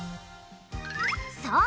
そう！